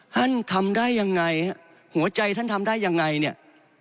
ท่านทำได้ยังไงฮะหัวใจท่านทำได้ยังไงเนี่ย